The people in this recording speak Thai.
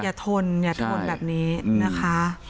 ทนอย่าทนแบบนี้นะคะ